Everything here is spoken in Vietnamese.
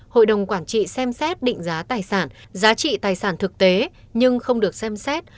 hội đồng quản trị xem xét định giá tài sản giá trị tài sản thực tế nhưng không được xem xét